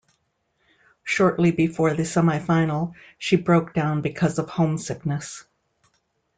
Shortly before the semi-final, she broke down because of homesickness.